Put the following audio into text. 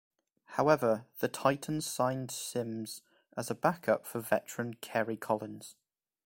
However, the Titans signed Simms as a backup for veteran Kerry Collins.